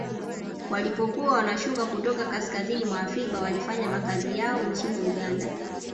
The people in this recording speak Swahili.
Walipokuwa wanashuka kutoka kaskazini mwa Afrika walifanya makazi yao nchini Uganda